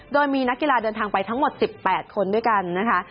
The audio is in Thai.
โดยมีนักกีฬาเดินทางไปทั้งหมด๑๘คนด้วยกันนะคะ